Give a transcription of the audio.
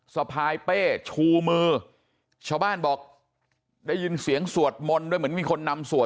สะพายเป้ชูมือชาวบ้านบอกได้ยินเสียงสวดมนต์ด้วยเหมือนมีคนนำสวด